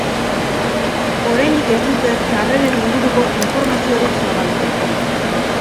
Oraindik ez dute sarreren inguruko informaziorik zabaldu.